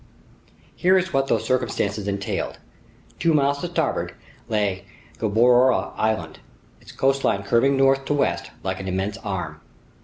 Here is what those circumstances entailed. Two miles to starboard lay Gueboroa Island, its coastline curving north to west like an immense arm.